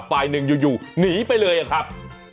ฝ่ายหนึ่งอยู่หนีไปเลยอะครับ